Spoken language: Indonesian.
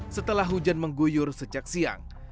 setelah hujan mengguyur sejak siang